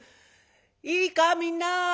「いいかみんな。